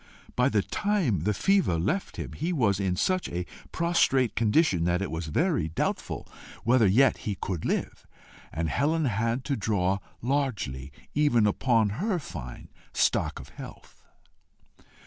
By the time the fever left him, he was in such a prostrate condition, that it was very doubtful whether yet he could live, and Helen had had to draw largely even upon her fine stock of health.